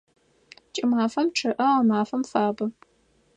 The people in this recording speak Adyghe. Кӏымафэм чъыӏэ, гъэмафэм фабэ.